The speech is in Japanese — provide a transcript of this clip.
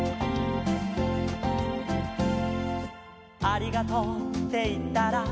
「ありがとうっていったら」